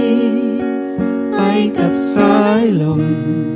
ไปกับสายลง